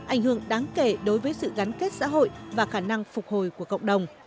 ảnh hưởng đáng kể đối với sự gắn kết xã hội và khả năng phục hồi của cộng đồng